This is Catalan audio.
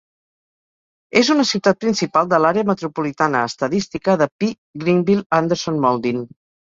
És una ciutat principal de l'àrea metropolitana estadística de PGreenville-Anderson-Mauldin.